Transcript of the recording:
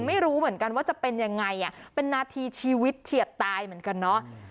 ไม่รู้เหมือนกันว่าจะเป็นยังไงอ่ะเป็นนาทีชีวิตเฉียดตายเหมือนกันเนาะ